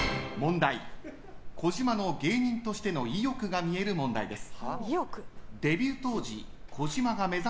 児嶋の芸人としての意欲が見える問題です。